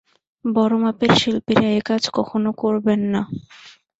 বড় মাপের শিল্পীরা এ-কাজ কখনো করবেন না।